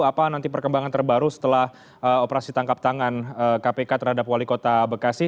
apa nanti perkembangan terbaru setelah operasi tangkap tangan kpk terhadap wali kota bekasi